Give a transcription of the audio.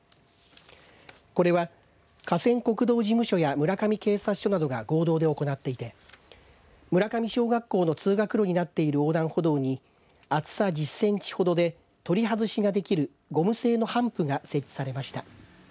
これは河川国道事務所や村上警察署などが合同で行っていて村上小学校の通学路になっている横断歩道に厚さ１０センチほどで取り外しができるゴム製のハンプが設置されました。